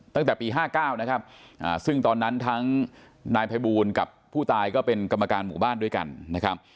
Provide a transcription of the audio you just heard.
ตั้งแต่ปี๕๙นะครับซึ่งตอนนั้นทั้งนายภัยบูลกับผู้ตายก็เป็นกรรมการหมู่บ้านด้วยกันนะครับ